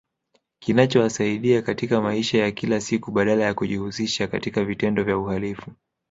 Kinachowasaidia katika maisha ya kila siku badala ya kujihusisha katika vitendo vya uhalifu